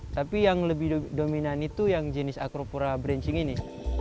tapi yang lebih dominan itu yang jenis acropora branching ini